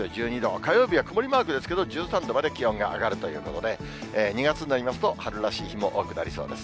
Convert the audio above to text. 火曜日は曇りマークですけど、１３度まで気温が上がるということで、２月になりますと、春らしい日も多くなりそうです。